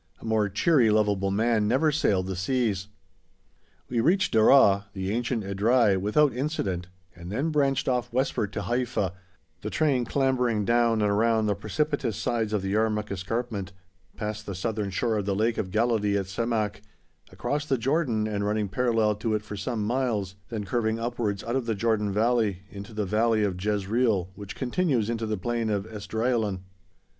A more cheery, lovable man never sailed the seas. We reached Deraa (the ancient Edrei) without incident, and then branched off westward to Haifa, the train clambering down and around the precipitous sides of the Yarmuk Escarpment, past the southern shore of the Lake of Galilee at Samakh, across the Jordan and running parallel to it for some miles, then curving upwards out of the Jordan Valley, into the valley of Jezreel, which continues into the plain of Esdraelon.